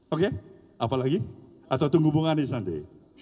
oke apalagi atau tunggu bung anies nanti